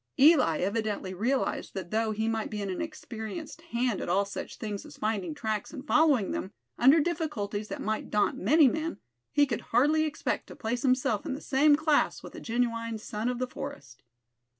Eli evidently realized that though he might be an experienced hand at all such things as finding tracks and following them, under difficulties that might daunt many men, he could hardly expect to place himself in the same class with a genuine son of the forest.